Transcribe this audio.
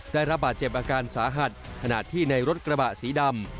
ได้รับบาดเจ็บอาการสาหัสขณะที่ในรถกระบะสีดำ